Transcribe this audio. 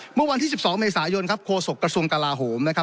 เมื่อวันที่สิบสองเมษายนครับโคสกกระทรวงการาโหมนะครับ